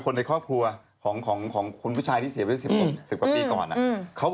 ยิงเข้าไปที่ลูทวารเถอะ